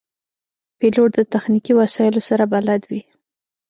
پیلوټ د تخنیکي وسایلو سره بلد وي.